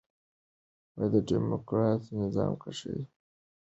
په ډیموکراټ نظام کښي انسان د اله او معبود شکل غوره کوي.